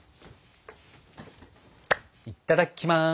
いただきます！